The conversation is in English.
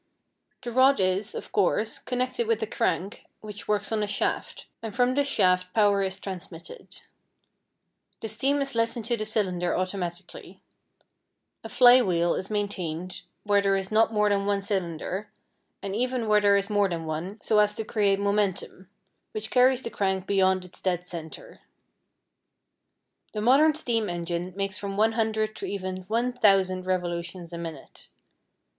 The rod, is, of course, connected with a crank which works on a shaft, and from this shaft power is transmitted. The steam is let into the cylinder automatically. A fly wheel is maintained where there is not more than one cylinder, and even where there is more than one, so as to create momentum, which carries the crank beyond its dead center. The modern steam engine makes from 100 to even 1,000 revolutions a minute.